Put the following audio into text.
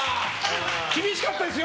厳しかったですよ？